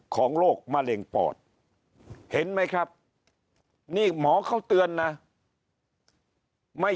โรคมะเร็งปอดเห็นไหมครับนี่หมอเขาเตือนนะไม่